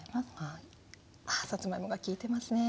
ああさつまいもがきいてますね！